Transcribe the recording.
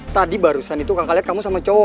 tadi barusan itu kakak liat kamu sama cowo